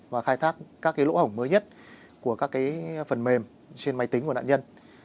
và khai thác các lỗ hổng mới nhất của các phần mềm trên máy tính của nạn nhân